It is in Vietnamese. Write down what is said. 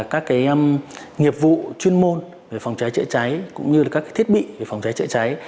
các nghiệp vụ chuyên môn về phòng cháy chữa cháy cũng như các thiết bị về phòng cháy chữa cháy